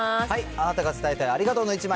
あなたが伝えたいありがとうの１枚。